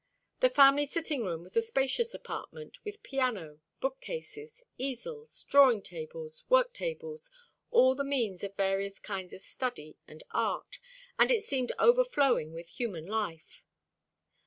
The family sitting room was a spacious apartment, with piano, book cases, easels, drawing tables, work tables, all the means of various kinds of study and art; and it seemed overflowing with human life.